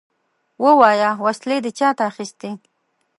ووايه! وسلې دې چاته اخيستې؟